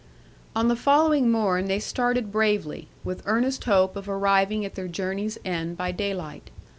'On the following morn they started bravely, with earnest hope of arriving at their journey's end by daylight.